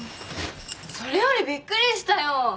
それよりびっくりしたよ。